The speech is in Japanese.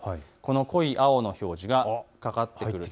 濃い青の表示がかかってきます。